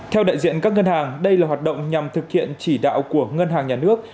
theo đại diện các ngân hàng đây là hoạt động nhằm thực hiện chỉ đạo của ngân hàng nhà nước